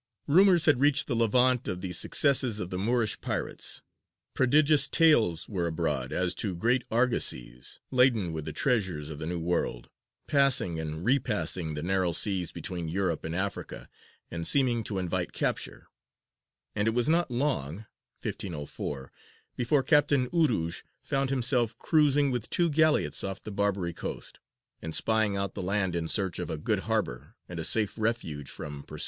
Rumours had reached the Levant of the successes of the Moorish pirates; prodigious tales were abroad as to great argosies, laden with the treasures of the New World, passing and repassing the narrow seas between Europe and Africa, and seeming to invite capture; and it was not long (1504) before Captain Urūj found himself cruising with two galleots off the Barbary coast, and spying out the land in search of a good harbour and a safe refuge from pursuit.